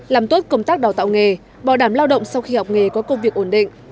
làm tốt công tác đào tạo nghề bảo đảm lao động sau khi học nghề có công việc ổn định